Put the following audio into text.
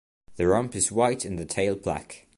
The rump is white and the tail black.